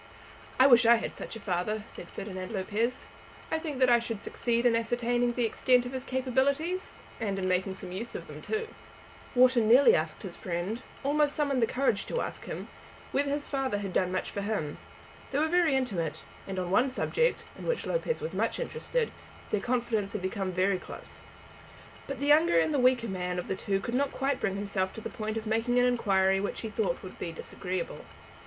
"I wish I had such a father," said Ferdinand Lopez. "I think that I should succeed in ascertaining the extent of his capabilities, and in making some use of them too." Wharton nearly asked his friend, almost summoned courage to ask him, whether his father had done much for him. They were very intimate; and on one subject, in which Lopez was much interested, their confidence had been very close. But the younger and the weaker man of the two could not quite bring himself to the point of making an inquiry which he thought would be disagreeable.